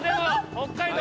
北海道。